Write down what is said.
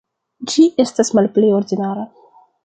Ĝi estas malpli ordinara.